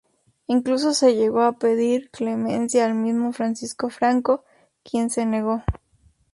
Incluso se llegó a pedir clemencia al mismo Francisco Franco, quien se negó.